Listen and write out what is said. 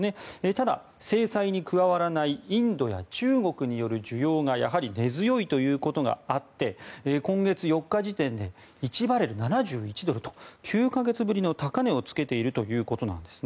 ただ、制裁に加わらないインドや中国による需要がやはり根強いということがあって今月４日時点で１バレル＝７１ドルと９か月ぶりの高値をつけているということなんです。